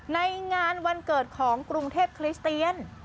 ในงานวันเกิดของกรุงเทพคริสเตียน